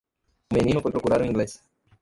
O menino foi procurar o inglês.